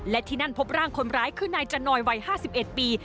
และที่นั่นพบร่างคนร้ายคือนายจนอยวัย๕๑ปี